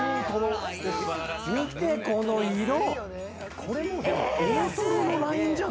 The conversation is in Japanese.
見てこの色。